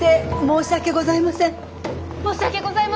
申し訳ございません。